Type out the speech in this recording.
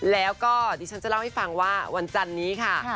แล้วก็ดิฉันจะเล่าให้ฟังว่าวันจันนี้ค่ะ